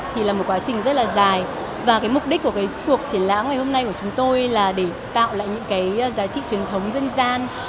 thì là một quá trình rất là dài và cái mục đích của cái cuộc triển lãm ngày hôm nay của chúng tôi là để tạo lại những cái giá trị truyền thống dân gian